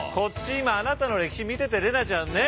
今あなたの歴史見てて怜奈ちゃんねえ？